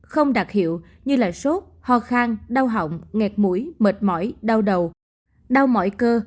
không đặc hiệu như sốt hò khang đau hỏng nghẹt mũi mệt mỏi đau đầu đau mỏi cơ